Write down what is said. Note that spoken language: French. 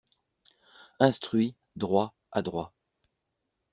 Instruit, droit, adroit